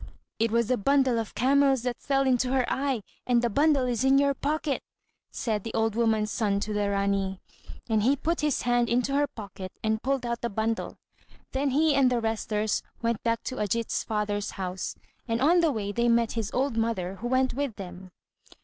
"It was the bundle of camels that fell into her eye, and the bundle is in your pocket," said the old woman's son to the Rání: and he put his hand into her pocket and pulled out the bundle. Then he and the wrestlers went back to Ajít's father's house, and on the way they met his old mother, who went with them.